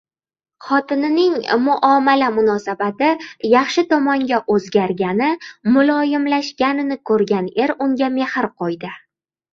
Xotinining muomala-munosabati yaxshi tomonga oʻzgargani, muloyimlashganini koʻrgan er unga mehr qoʻydi